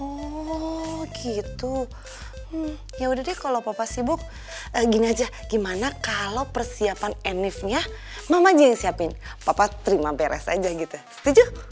oh gitu yaudah deh kalau papa sibuk gini aja gimana kalau persiapan enifnya mama aja yang siapin papa terima beres aja gitu setuju